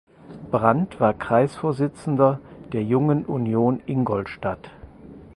Brand war Kreisvorsitzender der Jungen Union Ingolstadt.